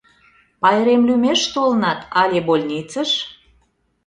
— Пайрем лӱмеш толынат, але больницыш?